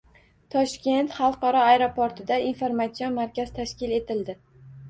“Toshkent xalqaro aeroporti”da “Informatsion markaz” tashkil etildi